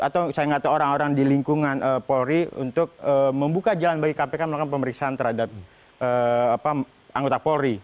atau saya nggak tahu orang orang di lingkungan polri untuk membuka jalan bagi kpk melakukan pemeriksaan terhadap anggota polri